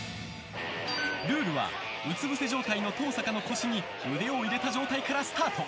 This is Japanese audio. ルールはうつぶせ状態の登坂の腰に腕を入れた状態からスタート。